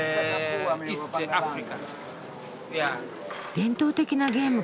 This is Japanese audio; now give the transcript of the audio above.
伝統的なゲームか。